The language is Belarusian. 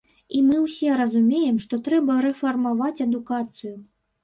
І мы ўсе разумеем, што трэба рэфармаваць адукацыю.